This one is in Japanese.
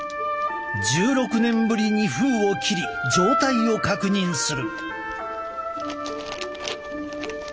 １６年ぶりに封を切り状態を確認する。